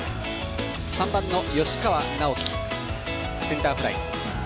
３番の吉川尚輝、センターフライ。